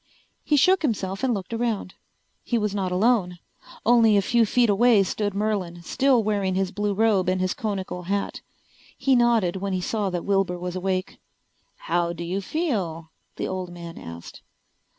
He shook himself and looked around. He was not alone. Only a few feet away stood Merlin, still wearing his blue robe and his conical hat. He nodded when he saw that Wilbur was awake. "How do you feel?" the old man asked.